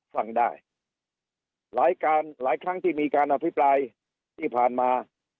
ฟังได้หลายการหลายครั้งที่มีการอภิปรายที่ผ่านมา